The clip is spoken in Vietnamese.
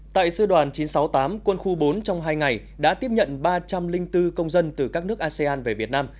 tại sư đoàn chín trăm sáu mươi tám quân khu bốn trong hai ngày đã tiếp nhận ba trăm linh bốn công dân từ các nước asean về việt nam